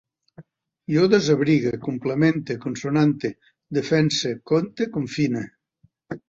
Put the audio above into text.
Jo desabrigue, complemente, consonante, defense, conte, confine